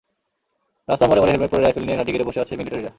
রাস্তার মোড়ে মোড়ে হেলমেট পরে রাইফেল নিয়ে ঘাঁটি গেড়ে বসে আছে মিলিটারিরা।